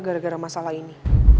gara gara masalah ini